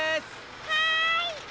はい！